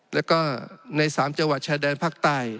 แล้วก็ใน๓จังหวัดชายแดนภาคใต้